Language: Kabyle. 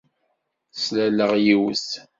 Slaleɣ yiwet.